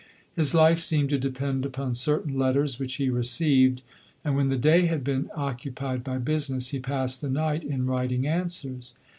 His life seemed to depend upon certain letters which he received; and when the day had been oc 86 LODORE. cupied by business, he passed the night in writing answers.